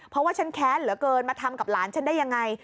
เพราะว่าฉันแค้นเหลือเกินมาทำกับหลานฉันได้ยังไง